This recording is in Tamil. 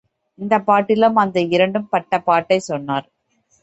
இந்தப் பாட்டிலும் அந்த இரண்டும் பட்ட பாட்டைச் சொன்னார்.